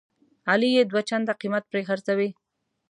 علي یې دوه چنده قیمت پرې خرڅوي.